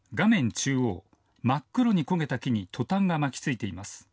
中央、真っ黒に焦げた木にトタンが巻き付いています。